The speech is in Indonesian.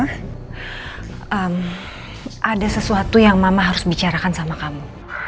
ada sesuatu yang mama harus bicarakan sama kamu